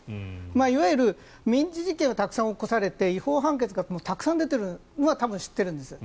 いわゆる民事事件をたくさん起こされて違法判決がたくさん出ているのは多分知っているんですよ。